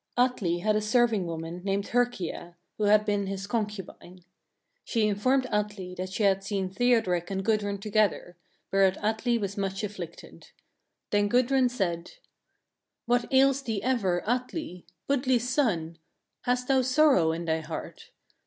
Atli had a serving woman named Herkia, who had been his concubine. She informed Atli that she had seen Thiodrek and Gudrun together; whereat Atli was much afflicted. Then Gudrun said: 1. What ails thee ever, Atli! Budli's son! Hast thou sorrow in thy heart?